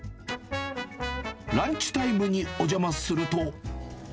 ランチタイムにお邪魔すると。